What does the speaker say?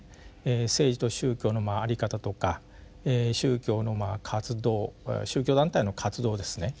政治と宗教の在り方とか宗教の活動宗教団体の活動ですね